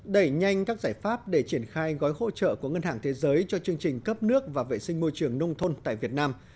đẩy nhanh các giải pháp để triển khai gói hỗ trợ của ngân hàng thế giới cho chương trình cấp nước và vệ sinh môi trường nông thôn tại việt nam